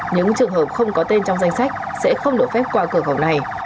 những trường hợp không có tên trong danh sách sẽ không được phép qua cửa khẩu này